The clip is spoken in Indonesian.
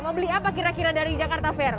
mau beli apa kira kira dari jakarta fair